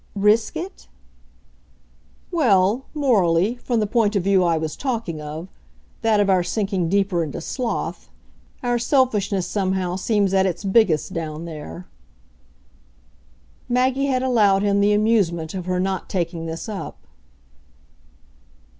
"'Risk' it?" "Well, morally from the point of view I was talking of; that of our sinking deeper into sloth. Our selfishness, somehow, seems at its biggest down there." Maggie had allowed him the amusement of her not taking this up.